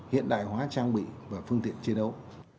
hiện đại hóa trang bị và phương tiện chiến đấu